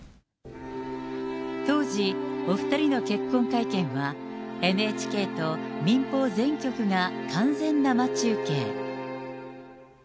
当時、お２人の結婚会見は、ＮＨＫと民放全局が完全生中継。